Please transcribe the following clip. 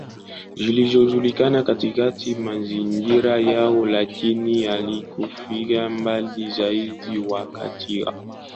zilizojulikana katika mazingira yao lakini hawakufika mbali zaidi Wakati wa